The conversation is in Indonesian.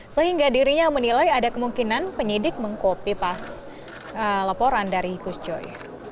sehingga dirinya menilai ada kemungkinan penyidik mengkopi pas laporan dari gus coy